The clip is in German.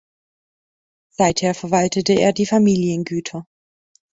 Seither verwaltete er die Familiengüter.